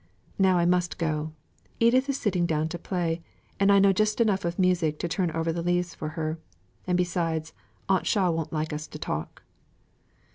Now I must go. Edith is sitting down to play, and I just know enough of music to turn over the leaves for her; and, besides, Aunt Shaw won't like us to talk."